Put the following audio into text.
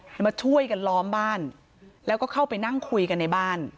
มาช่วยกันล้อมบ้านแล้วก็เข้าไปนั่งคุยกันในบ้าน